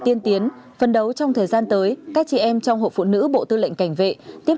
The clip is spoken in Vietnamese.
tiên tiến phân đấu trong thời gian tới các chị em trong hội phụ nữ bộ tư lệnh cảnh vệ tiếp